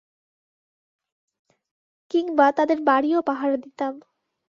কিংবা, তাদের বাড়িও পাহারা দিতাম।